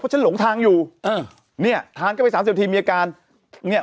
เพราะฉันหลงทางอยู่เออเนี่ยทางก็ไปสามสิบทีมีอาการเนี่ย